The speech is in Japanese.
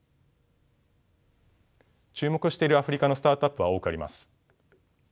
注目しているアフリカのスタートアップは多くあります。